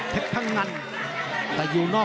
แต่อยู่นอก